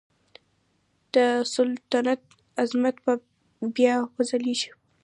د سلطنت عظمت به بیا وځلیږي.